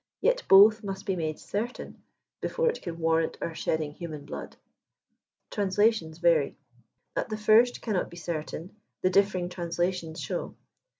Yet both must be made certaiUf before it caa warrant our sheddilig human blood. TlUNSLATrONS VARY. That the first cannot be certain, the diflering translations show.